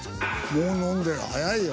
もう飲んでる早いよ。